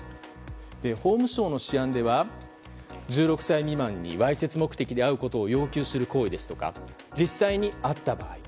法務省の試案では１６歳未満にわいせつ目的で会うことを要求する行為ですとか実際、会った場合。